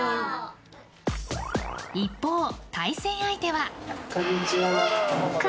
一方、対戦相手は。